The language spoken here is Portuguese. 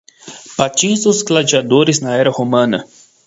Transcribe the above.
Patins dos gladiadores na era romana